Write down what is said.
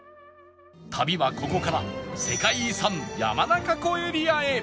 旅はここから世界遺産山中湖エリアへ！